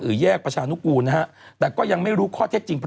แยกประชานุกูลนะฮะแต่ก็ยังไม่รู้ข้อเท็จจริง